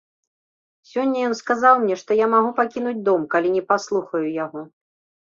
Сёння ён сказаў мне, што я магу пакінуць дом, калі не паслухаю яго.